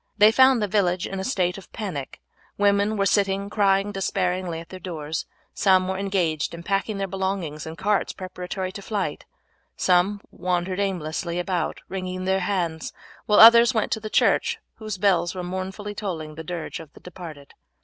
They found the village in a state of panic. Women were sitting crying despairingly at their doors. Some were engaged in packing their belongings in carts preparatory to flight, some wandered aimlessly about wringing their hands, while others went to the church, whose bells were mournfully tolling the dirge of the departed.